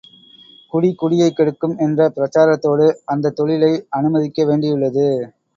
குடி குடியைக் கெடுக்கும் என்ற பிரச்சாரத்தோடு அந்தத் தொழிலை அனுமதிக்க வேண்டியுள்ளது.